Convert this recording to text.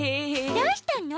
どうしたの？